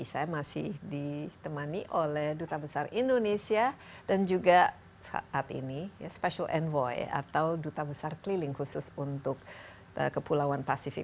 saya masih ditemani oleh duta besar indonesia dan juga saat ini special envoy atau duta besar keliling khusus untuk kepulauan pasifik